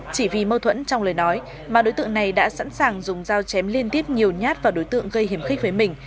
chỉ vì mâu thuẫn trong lời nói mà đối tượng này đã sẵn sàng dùng dao chém liên tiếp nhiều nhát vào đối tượng gây hiểm khích với mình